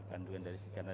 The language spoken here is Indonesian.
kandungan dari silikanya